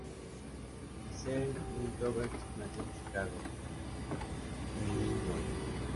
Giselle Lynn Roberts nació en Chicago, Illinois.